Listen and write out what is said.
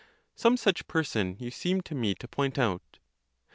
Some such person you seem to me to point out.